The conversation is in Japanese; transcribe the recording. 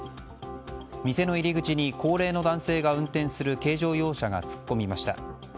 店の入り口に高齢の男性が運転する軽乗用車が突っ込みました。